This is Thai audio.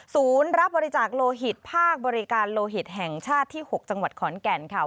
รับบริจาคโลหิตภาคบริการโลหิตแห่งชาติที่๖จังหวัดขอนแก่นค่ะ